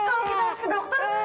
kalau kita harus ke dokter